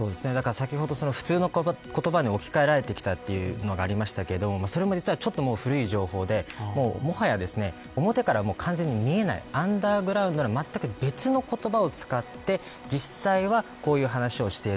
先ほど、普通の言葉に置き換えられてきたというのがありましたがそれも実は古い情報で、もはや表から完全に見えないアンダーグラウンドのまったく別の言葉を使って実際は、こういう話をしている。